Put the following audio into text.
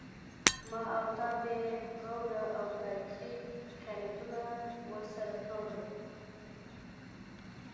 ما و تا بې غوره او تاریخي خیانتونه ورسره کړي